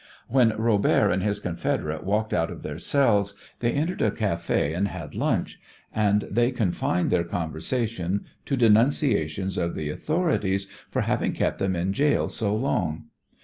When Robert and his confederate walked out of their cells they entered a café and had lunch, and they confined their conversation to denunciations of the authorities for having kept them in gaol so long.